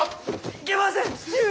いけません父上！